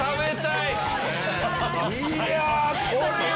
いやこれは！